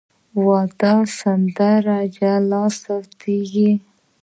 د واده سند جلا ثبتېږي.